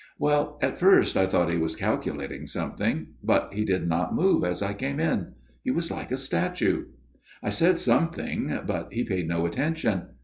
" Well, at first I thought he was calculating FATHER MADDOX'S TALE 229 something, but he did not move as I came in ; he was like a statue. I said something, but he paid no attention.